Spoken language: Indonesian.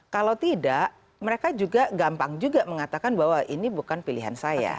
kalau tidak mereka juga gampang juga mengatakan bahwa ini bukan pilihan saya